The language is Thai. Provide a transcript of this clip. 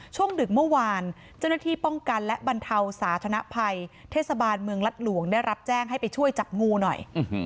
ดึกเมื่อวานเจ้าหน้าที่ป้องกันและบรรเทาสาธนภัยเทศบาลเมืองรัฐหลวงได้รับแจ้งให้ไปช่วยจับงูหน่อย